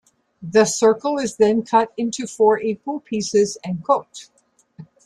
The circle is then cut into four equal pieces and cooked.